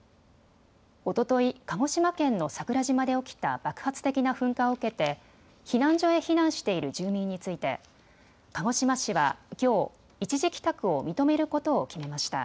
おととい、鹿児島県の桜島で起きた爆発的な噴火を受けて避難所へ避難している住民について鹿児島市はきょう一時帰宅を認めることを決めました。